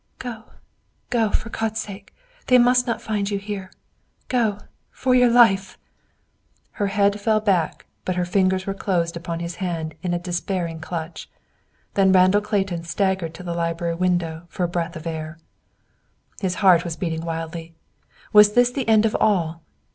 "Go, go; for God's sake. They must not find you here. Go! FOR YOUR LIFE!" Her head fell back, but her fingers were closed upon his hand in a despairing clutch. Then Randall Clayton staggered to the library window for breath of air. His heart was beating wildly. Was this the end of all.